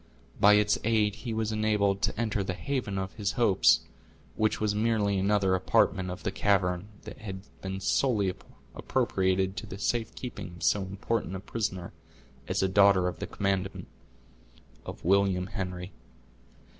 By its aid he was enabled to enter the haven of his hopes, which was merely another apartment of the cavern, that had been solely appropriated to the safekeeping of so important a prisoner as a daughter of the commandant of William Henry.